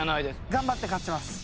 頑張って勝ちます！